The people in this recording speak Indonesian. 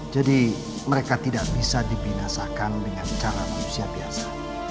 jadi mereka tidak bisa dibinasakan dengan cara manusia biasa